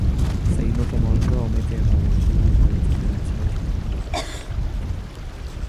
C'est notamment le cas en météorologie pour les températures.